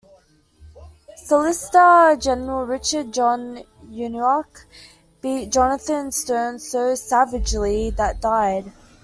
Solicitor General Richard John Uniacke beat Jonathan Sterns so "savagely" that died.